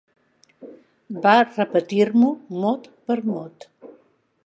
Va repetir-m'ho mot per mot.